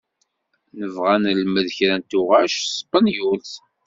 Nebɣa ad nelmed kra n tuɣac s tsepenyult.